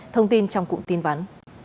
thông tin trong cụm tin vắn